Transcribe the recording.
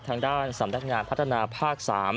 ทางด้านสำนักงานพัฒนาภาค๓